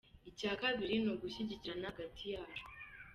Icya kabiri ni ugushyigikirana hagati yacu.